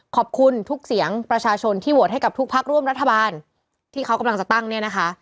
ขอบคุณทุกเสียงประชาชนที่โหวตให้กับทุกพักร่วมรัฐบาลที่เขากำลังจะตั้งเนี่ยนะคะ